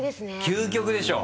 究極でしょ。